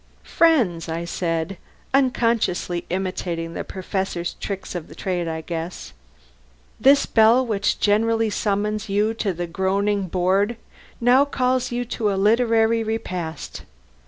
"Friends," I said (unconsciously imitating the Professor's tricks of the trade, I guess), "this bell which generally summons you to the groaning board now calls you to a literary repast.